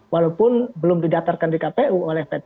walaupun belum didaftarkan di kpu oleh p tiga